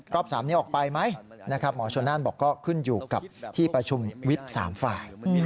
กล้อมสามนี้ออกไปมั้ยหมอชนานบอกก็ขึ้นอยู่กับที่ประชุมวิทย์สามฝ่าย